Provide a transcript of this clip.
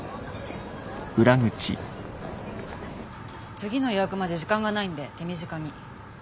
次の予約まで時間ないんで手短に。